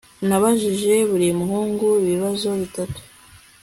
Nabajije buri muhungu ibibazo bitatu